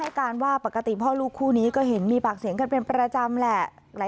การว่าปกติพ่อลูกคู่นี้ก็เห็นมีปากเสียงกันเป็นประจำแหละ